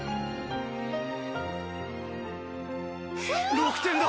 ６点だ！